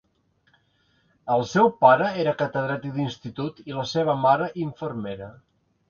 El seu pare era catedràtic d'institut i la seva mare, infermera.